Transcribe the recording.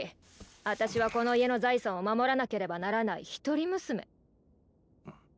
あたしはこの家の財産を守らなければならないひとり娘。